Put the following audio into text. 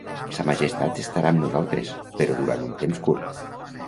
Sa majestat estarà amb nosaltres, però durant un temps curt.